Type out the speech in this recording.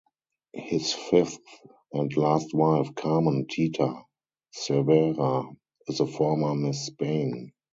His fifth and last wife, Carmen "Tita" Cervera, is a former Miss Spain.